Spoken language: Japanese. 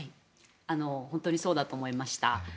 本当にそうだと思いました。